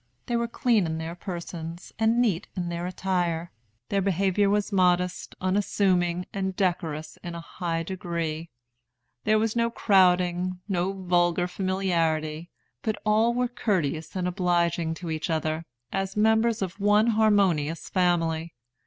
They were clean in their persons, and neat in their attire. Their behavior was modest, unassuming, and decorous in a high degree. There was no crowding, no vulgar familiarity, but all were courteous and obliging to each other, as members of one harmonious family.